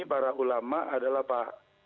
para ulama adalah pak